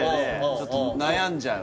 ちょっと悩んじゃう